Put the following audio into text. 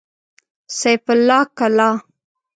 سيف الله کلا